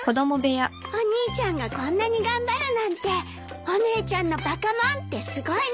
お兄ちゃんがこんなに頑張るなんてお姉ちゃんの「バカもん」ってすごいのね。